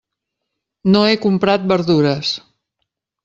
No he comprat verdures.